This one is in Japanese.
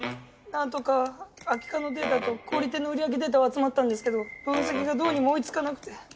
なんとか空き缶のデータと小売店の売り上げデータは集まったんですけど分析がどうにも追いつかなくて。